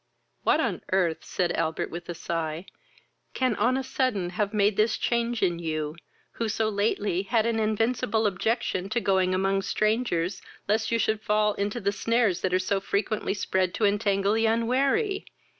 "What on earth (said Albert, with a sigh,) can on a sudden have made this change in you, who so lately had an invincible objection to going among strangers, lest you should fall into the snares that are so frequently spread to entangle the unwary!